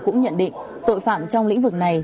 cũng nhận định tội phạm trong lĩnh vực này